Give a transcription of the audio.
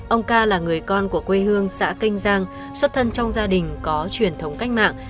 ông ca là người con của quê hương xã kênh giang xuất thân trong gia đình có truyền thống cách mạng